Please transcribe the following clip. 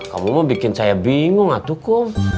kamu mau bikin saya bingung hatiku